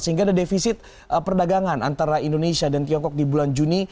sehingga ada defisit perdagangan antara indonesia dan tiongkok di bulan juni